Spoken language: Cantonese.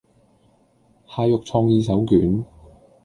蟹肉創意手卷